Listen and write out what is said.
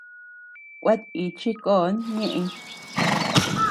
Kuetíchi kon ñeʼey.